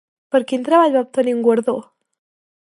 Per quin treball va obtenir un guardó?